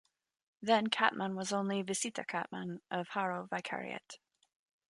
Then Catmon was only a "Visita Catmon" of Jaro vicariate.